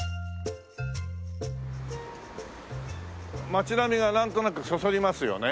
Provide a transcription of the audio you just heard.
街並みがなんとなくそそりますよね。